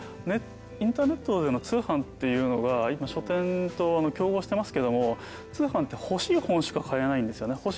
インターネットでの通販っていうのが今書店と競合してますけども通販って欲しい本しか買えないんですよね。